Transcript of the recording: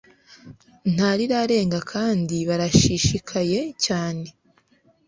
ntarirarenga kandi barashishikaye cyane